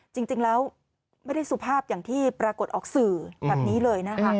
จริงแล้วไม่ได้สุภาพอย่างที่ปรากฏออกสื่อแบบนี้เลยนะคะ